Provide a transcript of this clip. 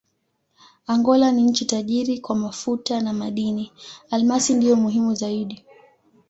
Angola ni nchi tajiri kwa mafuta na madini: almasi ndiyo muhimu zaidi.